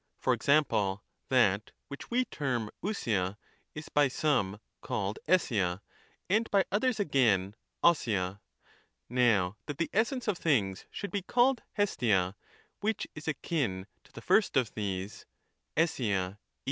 For example, that which we term ovoia is by some called eaia, and by others again wct/c. Now that the essence of things should be called earia, which is akin to the first of these {eaia = eoria), is rational enough.